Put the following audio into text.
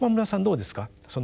どうですか？